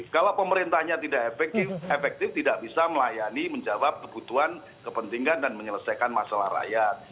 kalau pemerintahnya tidak efektif tidak bisa melayani menjawab kebutuhan kepentingan dan menyelesaikan masalah rakyat